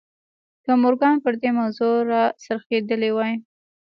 که مورګان پر دې موضوع را څرخېدلی وای.